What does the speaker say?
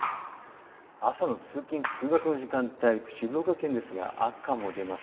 朝の通勤通学の時間帯、静岡県ですが赤も出ます。